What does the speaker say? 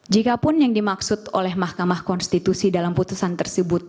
jikapun yang dimaksud oleh mahkamah konstitusi dalam putusan tersebut